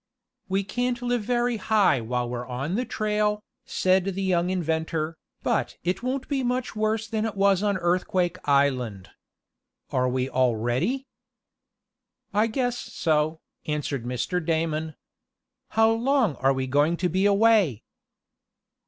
"We can't live very high while we're on the trail," said the young inventor, "but it won't be much worse than it was on Earthquake Island. Are we all ready?" "I guess so," answered Mr. Damon. "How long are we going to be away?"